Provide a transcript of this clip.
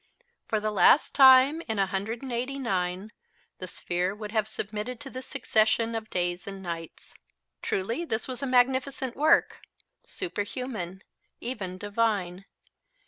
For the last time in 189 the sphere would have submitted to this succession of days and nights. Truly, this was a magnificent work, superhuman, even divine.